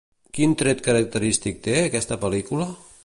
Quin tret característic té aquesta pel·lícula?